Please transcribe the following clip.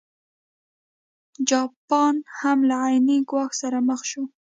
جاپان هم له عین ګواښ سره مخ شو.